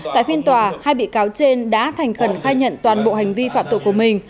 tại phiên tòa hai bị cáo trên đã thành khẩn khai nhận toàn bộ hành vi phạm tội của mình